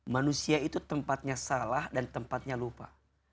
manusia itu tempatnya salah dan tempatnya lupa